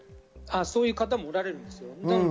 そういう方もおられるんですよ。